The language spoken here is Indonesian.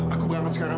aku berangkat sekarang